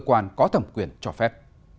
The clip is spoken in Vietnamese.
cơ quan có thẩm quyền cho phép